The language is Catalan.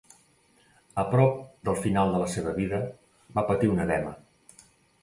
A prop del final de la seva vida, va patir un edema.